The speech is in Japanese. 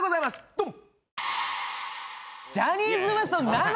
ドン！